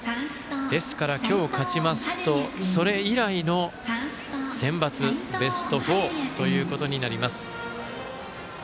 ですから、今日、勝ちますとそれ以来のセンバツベスト４ということになります。